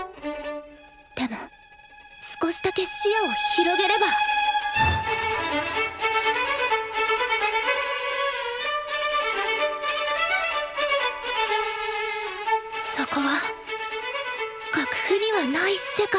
でも少しだけ視野を広げればそこは楽譜にはない世界。